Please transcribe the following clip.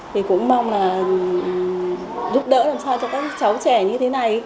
thì cũng mong là giúp đỡ làm sao cho các cháu trẻ như thế này